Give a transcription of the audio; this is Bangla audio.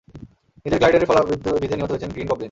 নিজের গ্লাইডারের ফলা বিঁধে নিহত হয়েছে গ্রিন গবলিন।